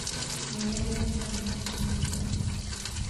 Mnyama kuwa na macho mekundu